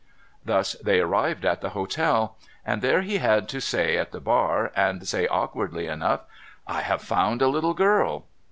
Thus they arrived at the hotel. And there he had to say at the bar, and said awkwardly enough :' I have found a little girl